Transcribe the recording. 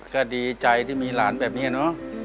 ก็ดีใจที่มีล้านแบบเนี่ยเนาะ